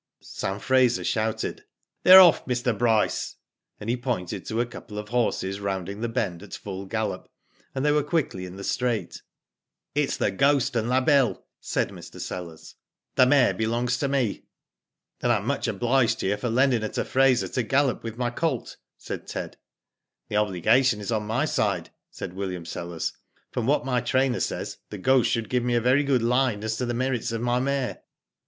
Sam Fraser shouted : "They're off, Mr. Bryce," and he pointed to a couple of horses rounding the bend at full gallop, and they were quickly in the straight. It's The Ghost and La Belle," said Mr. Sellers. " The mare belongs to me." "Then I am much obliged to you for lending her to Fraser to gallop with my colt," said Ted. "The obligation is on my side," said William Sellers; "from what my trainer says The Ghost should give me a very good line as to the merits of my mare."